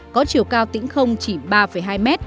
có chiều cao tính không chỉ ba hai m